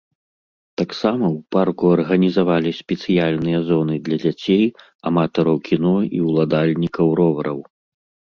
Таксама ў парку арганізавалі спецыяльныя зоны для дзяцей, аматараў кіно і ўладальнікаў ровараў.